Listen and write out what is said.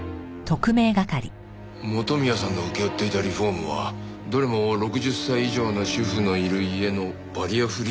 元宮さんの請け負っていたリフォームはどれも６０歳以上の主婦のいる家のバリアフリー施工か。